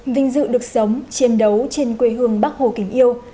vinh dự được sống chiến đấu trên quê hương bắc hồ kính yêu